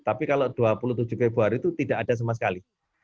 tapi kalau dua puluh tujuh februari itu tidak ada sama sekali